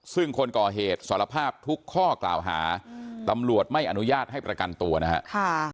ซึ่งคนก่อเหตุสารภาพทุกข้อกล่าวหาตำรวจไม่อนุญาตให้ประกันตัวนะครับ